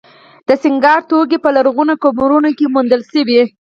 د سینګار توکي په لرغونو قبرونو کې موندل شوي